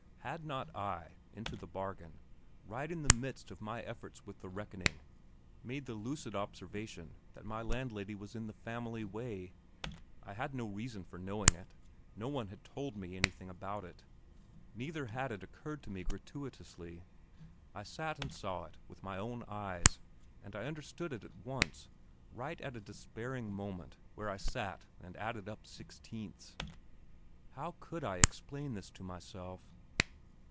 Had not I, into the bargain, right in the midst of my efforts with the reckoning, made the lucid observation that my landlady was in the family way? I had no reason for knowing it, no one had told me anything about it, neither had it occurred to me gratuitously. I sat and saw it with my own eyes, and I understood it at once, right at a despairing moment where I sat and added up sixteenths. How could I explain this to myself?